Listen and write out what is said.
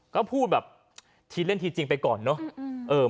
ก็พูดแบบทีเล่นทีจริงไปก่อนเนอะ